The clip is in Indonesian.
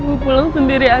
mau pulang sendiri aja